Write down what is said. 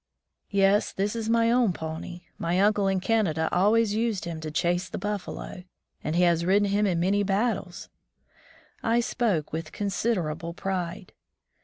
"Yes, this is my own pony. My uncle in Canada always used him to chase the buffalo, and he has ridden him in many battles." I spoke with considerable pride.